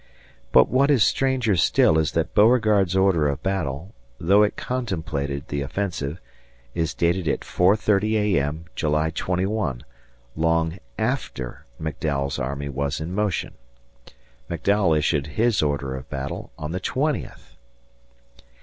But what is stranger still is that Beauregard's order of battle, although it contemplated the offensive, is dated at 4.30 A.M. July 21, long after McDowell's army was in motion. McDowell issued his order of battle on the twentieth.